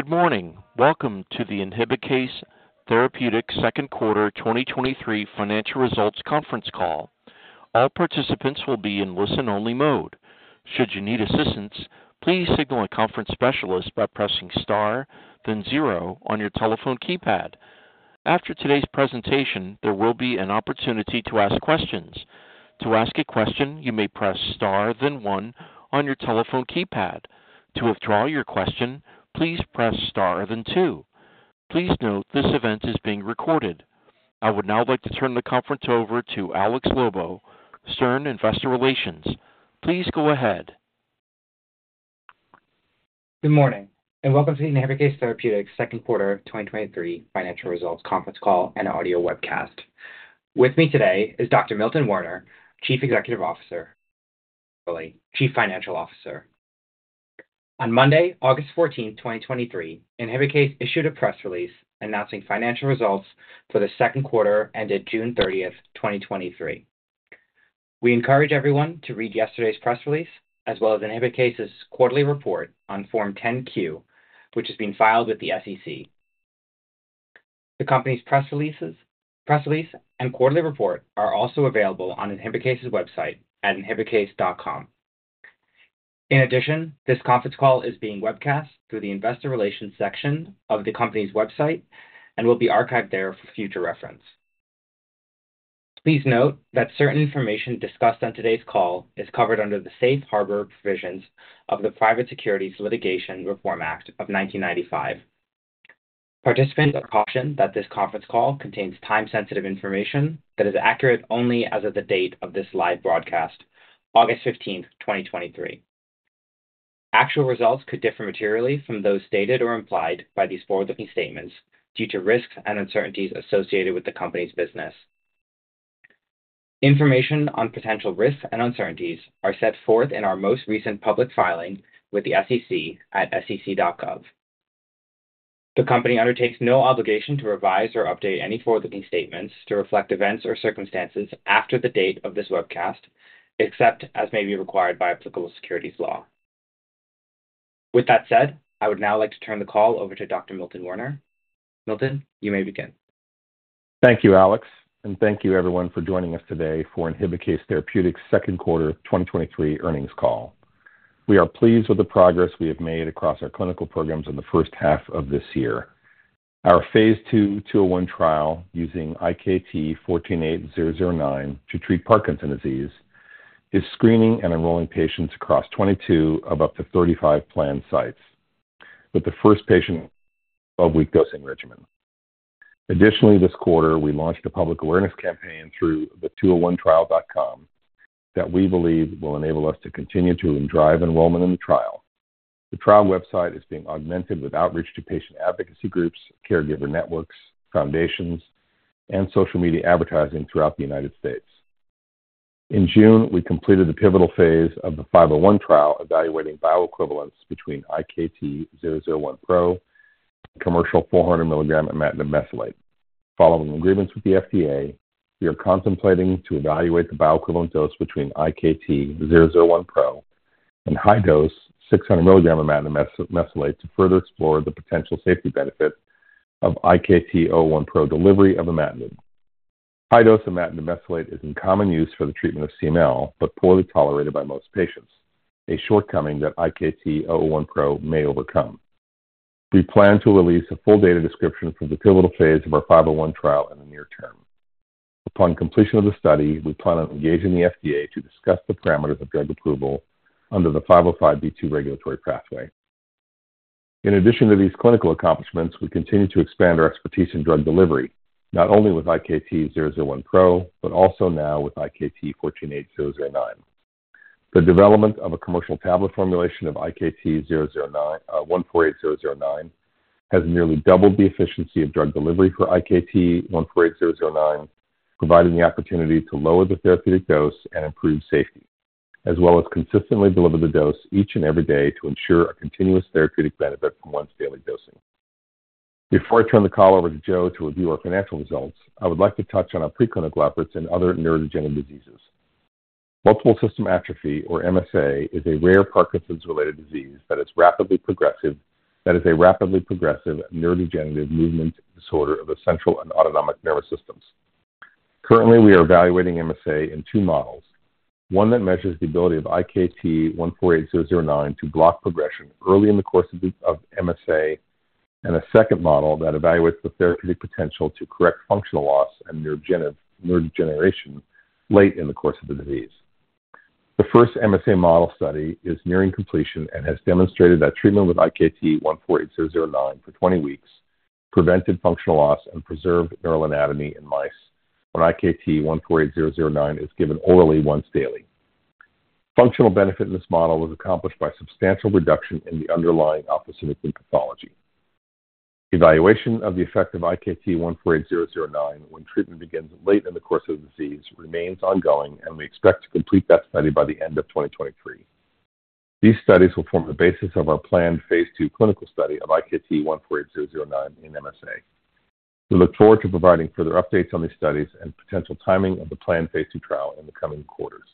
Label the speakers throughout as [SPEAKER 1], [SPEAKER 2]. [SPEAKER 1] Good morning. Welcome to the Inhibikase Therapeutics second quarter 2023 financial results conference call. All participants will be in listen-only mode. Should you need assistance, please signal a conference specialist by pressing star, then zero on your telephone keypad. After today's presentation, there will be an opportunity to ask questions. To ask a question, you may press star, then one on your telephone keypad. To withdraw your question, please press star, then two. Please note, this event is being recorded. I would now like to turn the conference over to Alex Lobo, Stern Investor Relations. Please go ahead.
[SPEAKER 2] Good morning, welcome to the Inhibikase Therapeutics second quarter of 2023 financial results conference call and audio webcast. With me today is Dr. Milton Werner, Chief Executive Officer... Chief Financial Officer. On Monday, August 14th, 2023, Inhibikase issued a press release announcing financial results for the second quarter ended June 30th, 2023. We encourage everyone to read yesterday's press release, as well as Inhibikase's quarterly report on Form 10-Q, which is being filed with the SEC. The company's press releases-- press release, and quarterly report are also available on Inhibikase's website at inhibikase.com. This conference call is being webcast through the investor relations section of the company's website and will be archived there for future reference. Please note that certain information discussed on today's call is covered under the safe harbor provisions of the Private Securities Litigation Reform Act of 1995. Participants are cautioned that this conference call contains time-sensitive information that is accurate only as of the date of this live broadcast, August 15, 2023. Actual results could differ materially from those stated or implied by these forward-looking statements due to risks and uncertainties associated with the company's business. Information on potential risks and uncertainties are set forth in our most recent public filing with the SEC at sec.gov. The company undertakes no obligation to revise or update any forward-looking statements to reflect events or circumstances after the date of this webcast, except as may be required by applicable securities law. With that said, I would now like to turn the call over to Dr. Milton Werner. Milton, you may begin.
[SPEAKER 3] Thank you, Alex, thank you everyone for joining us today for Inhibikase Therapeutics second quarter 2023 earnings call. We are pleased with the progress we have made across our clinical programs in the first half of this year. Our phase II, 201 Trial using IkT-148009 to treat Parkinson's disease is screening and enrolling patients across 22 of up to 35 planned sites, with the first patient of week dosing regimen. Additionally, this quarter, we launched a public awareness campaign through the201trial.com that we believe will enable us to continue to drive enrollment in the trial. The trial website is being augmented with outreach to patient advocacy groups, caregiver networks, foundations, and social media advertising throughout the United States. In June, we completed the pivotal phase of the 501 Trial, evaluating bioequivalence between IkT-001Pro and commercial 400 mg imatinib mesylate. Following agreements with the FDA, we are contemplating to evaluate the bioequivalent dose between IkT-001Pro and high dose 600 mg imatinib mesylate to further explore the potential safety benefit of IkT-001Pro delivery of imatinib. High dose imatinib mesylate is in common use for the treatment of CML, but poorly tolerated by most patients, a shortcoming that IkT-001Pro may overcome. We plan to release a full data description from the pivotal phase of our 501 Trial in the near term. Upon completion of the study, we plan on engaging the FDA to discuss the parameters of drug approval under the 505(b)(2) regulatory pathway. In addition to these clinical accomplishments, we continue to expand our expertise in drug delivery, not only with IkT-001Pro, but also now with IkT-148009. The development of a commercial tablet formulation of IkT-148009 has nearly doubled the efficiency of drug delivery for IkT-148009, providing the opportunity to lower the therapeutic dose and improve safety, as well as consistently deliver the dose each and every day to ensure a continuous therapeutic benefit from once daily dosing. Before I turn the call over to Joe to review our financial results, I would like to touch on our preclinical efforts in other neurodegenerative diseases. Multiple system atrophy, or MSA, is a rare Parkinson's-related disease that is rapidly progressive neurodegenerative movement disorder of the central and autonomic nervous systems. Currently, we are evaluating MSA in two models. One that measures the ability of IkT-148009 to block progression early in the course of MSA, and a second model that evaluates the therapeutic potential to correct functional loss and neurodegeneration late in the course of the disease. The first MSA model study is nearing completion and has demonstrated that treatment with IkT-148009 for 20 weeks prevented functional loss and preserved neural anatomy in mice when IkT-148009 is given orally once daily. Functional benefit in this model was accomplished by substantial reduction in the underlying alpha-synuclein pathology. Evaluation of the effect of IkT-148009 when treatment begins late in the course of the disease, remains ongoing, and we expect to complete that study by the end of 2023. These studies will form the basis of our planned phase II clinical study of IkT-148009 in MSA. We look forward to providing further updates on these studies and potential timing of the planned phase II trial in the coming quarters.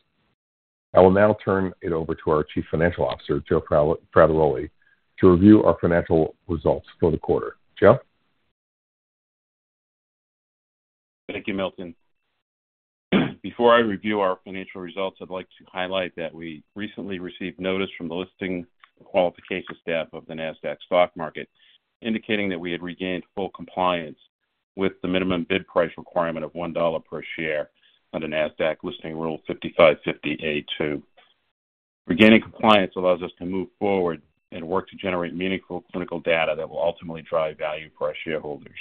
[SPEAKER 3] I will now turn it over to our Chief Financial Officer, Joe Frattaroli, to review our financial results for the quarter. Joe?
[SPEAKER 4] Thank you, Milton. Before I review our financial results, I'd like to highlight that we recently received notice from the Listing Qualifications staff of the Nasdaq Stock Market, indicating that we had regained full compliance with the minimum bid price requirement of $1 per share under Nasdaq Listing Rule 5550(a)(2). Regaining compliance allows us to move forward and work to generate meaningful clinical data that will ultimately drive value for our shareholders.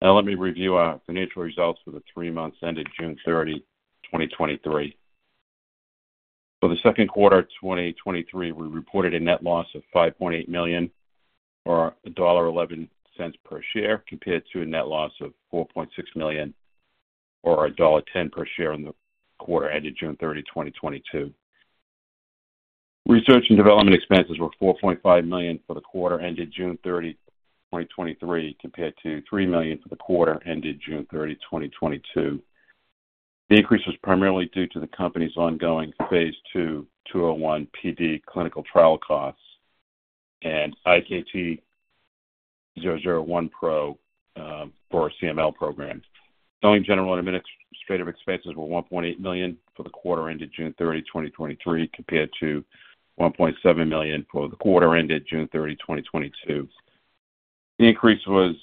[SPEAKER 4] Let me review our financial results for the 3 months ended June 30, 2023. For the second quarter 2023, we reported a net loss of $5.8 million, or $1.11 per share, compared to a net loss of $4.6 million, or $1.10 per share in the quarter ended June 30, 2022. Research and development expenses were $4.5 million for the quarter ended June 30, 2023, compared to $3 million for the quarter ended June 30, 2022. The increase was primarily due to the company's ongoing phase II, 201 PD clinical trial costs and IkT-001Pro for our CML program. Selling, general, and administrative expenses were $1.8 million for the quarter ended June 30, 2023, compared to $1.7 million for the quarter ended June 30, 2022. The increase was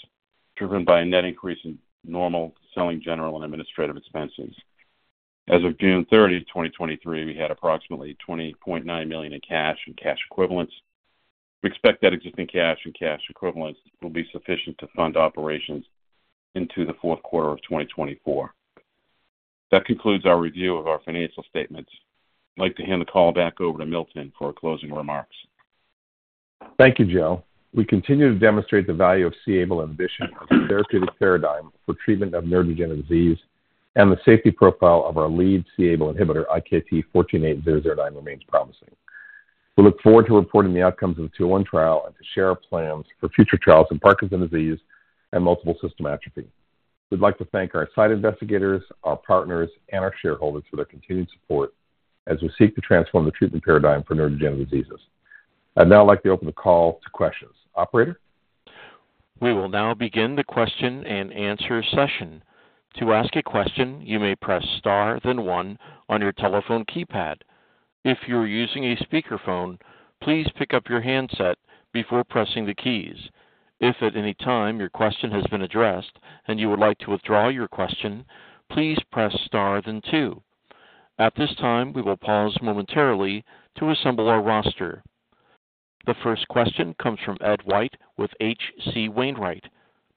[SPEAKER 4] driven by a net increase in normal selling, general, and administrative expenses. As of June 30, 2023, we had approximately $20.9 million in cash and cash equivalents. We expect that existing cash and cash equivalents will be sufficient to fund operations into the fourth quarter of 2024. That concludes our review of our financial statements. I'd like to hand the call back over to Milton for closing remarks.
[SPEAKER 3] Thank you, Joe. We continue to demonstrate the value of c-Abl inhibition as a therapeutic paradigm for treatment of neurodegenerative disease. The safety profile of our lead c-Abl inhibitor, IkT-148009, remains promising. We look forward to reporting the outcomes of the 201 Trial and to share our plans for future trials in Parkinson's disease and Multiple System Atrophy. We'd like to thank our site investigators, our partners, and our shareholders for their continued support as we seek to transform the treatment paradigm for neurodegenerative diseases. I'd now like to open the call to questions. Operator?
[SPEAKER 1] We will now begin the question and answer session. To ask a question, you may press star, then one on your telephone keypad. If you are using a speakerphone, please pick up your handset before pressing the keys. If at any time your question has been addressed and you would like to withdraw your question, please press star then two. At this time, we will pause momentarily to assemble our roster. The first question comes from Ed White with HC Wainwright.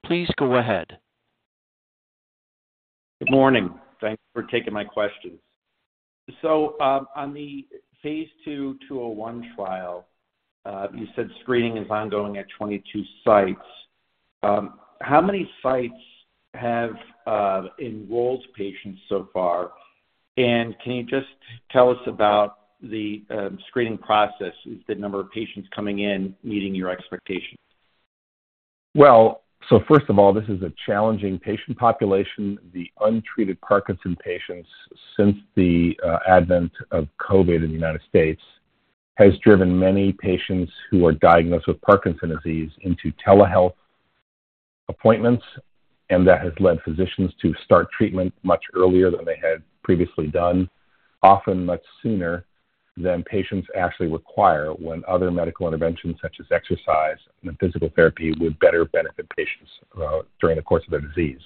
[SPEAKER 1] Please go ahead.
[SPEAKER 5] Good morning. Thank you for taking my questions. on the phase II, 201 Trial, you said screening is ongoing at 22 sites. how many sites have enrolled patients so far? Can you just tell us about the screening process? Is the number of patients coming in meeting your expectations?
[SPEAKER 3] Well, first of all, this is a challenging patient population. The untreated Parkinson's patients since the advent of COVID in the United States, has driven many patients who are diagnosed with Parkinson's disease into telehealth appointments, and that has led physicians to start treatment much earlier than they had previously done, often much sooner than patients actually require when other medical interventions, such as exercise and physical therapy, would better benefit patients during the course of their disease.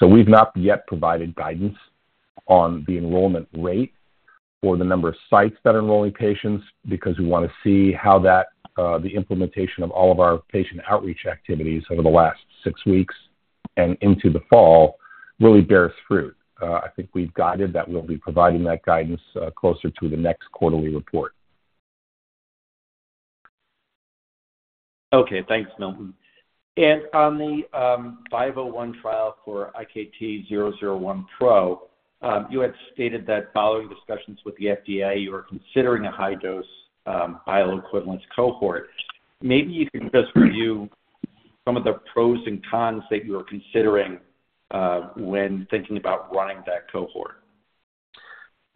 [SPEAKER 3] We've not yet provided guidance on the enrollment rate or the number of sites that are enrolling patients, because we want to see how that the implementation of all of our patient outreach activities over the last six weeks and into the fall really bears fruit. I think we've guided that we'll be providing that guidance closer to the next quarterly report.
[SPEAKER 5] Okay. Thanks, Milton. On the 501 Trial for IkT-001Pro, you had stated that following discussions with the FDA, you are considering a high dose bioequivalence cohort. Maybe you can just review some of the pros and cons that you are considering when thinking about running that cohort?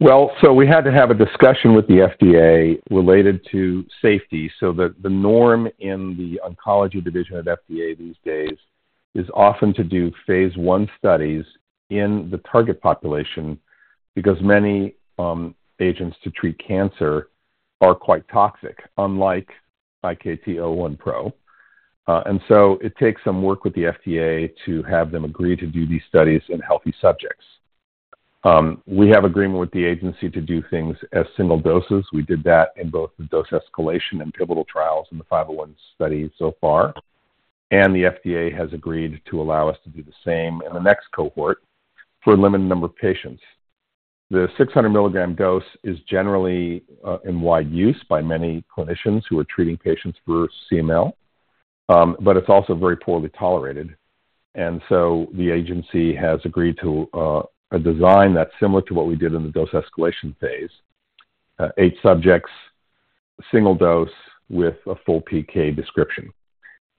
[SPEAKER 3] We had to have a discussion with the FDA related to safety. The norm in the oncology division at FDA these days is often to do phase I studies in the target population because many agents to treat cancer are quite toxic, unlike IkT-001Pro. It takes some work with the FDA to have them agree to do these studies in healthy subjects. We have agreement with the agency to do things as single doses. We did that in both the dose escalation and pivotal trials in the 501 study so far, and the FDA has agreed to allow us to do the same in the next cohort for a limited number of patients. The 600 milligram dose is generally in wide use by many clinicians who are treating patients for CML, it's also very poorly tolerated. The agency has agreed to a design that's similar to what we did in the dose escalation phase. Eight subjects single dose with a full PK description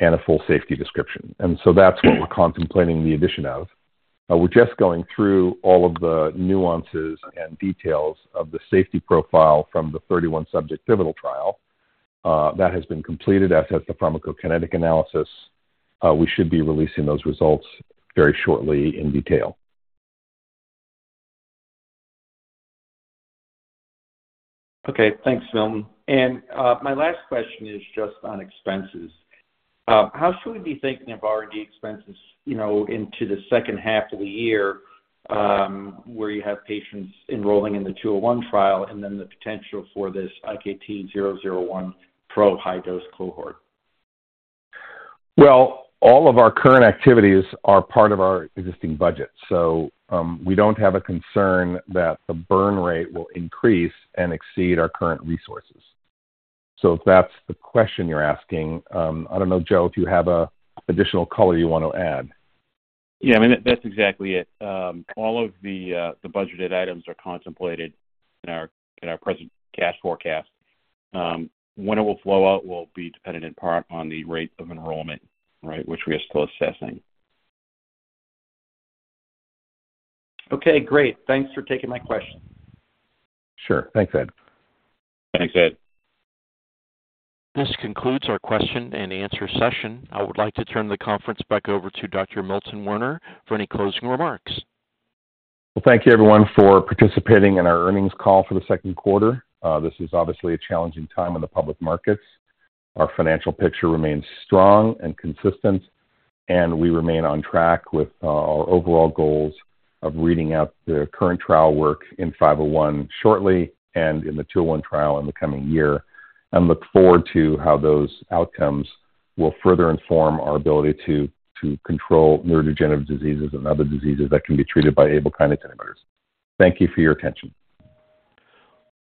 [SPEAKER 3] and a full safety description. That's what we're contemplating the addition of. We're just going through all of the nuances and details of the safety profile from the 31 subject pivotal trial. That has been completed, as has the pharmacokinetic analysis. We should be releasing those results very shortly in detail.
[SPEAKER 5] Okay, thanks, Milton. My last question is just on expenses. How should we be thinking of R&D expenses, you know, into the second half of the year, where you have patients enrolling in the 201 Trial and then the potential for this IkT-001Pro high-dose cohort?
[SPEAKER 3] Well, all of our current activities are part of our existing budget, we don't have a concern that the burn rate will increase and exceed our current resources. If that's the question you're asking, I don't know, Joe, if you have a additional color you want to add.
[SPEAKER 4] Yeah, I mean, that's exactly it. All of the budgeted items are contemplated in our, in our present cash forecast. When it will flow out will be dependent in part on the rate of enrollment, right, which we are still assessing.
[SPEAKER 5] Okay, great. Thanks for taking my question.
[SPEAKER 4] Sure. Thanks, Ed.
[SPEAKER 3] Thanks, Ed.
[SPEAKER 1] This concludes our question and answer session. I would like to turn the conference back over to Dr. Milton Werner for any closing remarks.
[SPEAKER 3] Well, thank you everyone for participating in our earnings call for the second quarter. This is obviously a challenging time in the public markets. Our financial picture remains strong and consistent, and we remain on track with, our overall goals of reading out the current trial work in 501 shortly and in the 201 Trial in the coming year. And look forward to how those outcomes will further inform our ability to, to control neurodegenerative diseases and other diseases that can be treated by Abl kinase inhibitors. Thank you for your attention.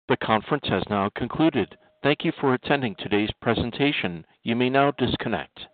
[SPEAKER 1] The conference has now concluded. Thank you for attending today's presentation. You may now disconnect.